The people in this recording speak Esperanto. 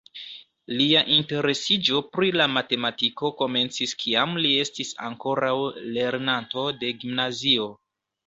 Lia interesiĝo pri la matematiko komencis kiam li estis ankoraŭ lernanto de gimnazio.